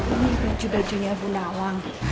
ini baju bajunya bunda awang